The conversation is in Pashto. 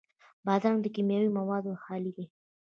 بادرنګ له کیمیاوي موادو خالي دی.